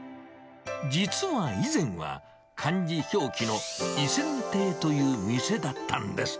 実は以前は、漢字表記の井泉亭という店だったんです。